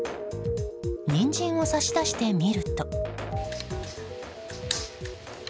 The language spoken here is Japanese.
ニンジンを差し出してみると。